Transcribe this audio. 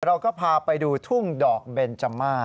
เราก็พาไปดูทุ่งดอกเบนจม่า